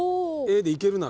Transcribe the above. Ａでいけるなら。